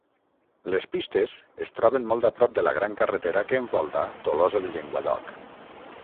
Les pistes es troben molt a prop de la gran carretera que envolta Tolosa de Llenguadoc.